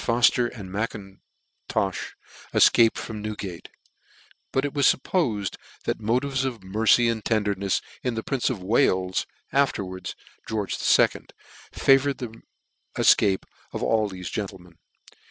Fofter and M'Intofh efcaped from Newgate ; but it /was firppofed that motives of mercy and tendernefs in the prince of Wales, afterwards George the Second, favoured the efcape of all thefe gentlemen.